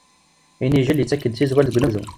Inijel yettak-d tizwal deg unebdu.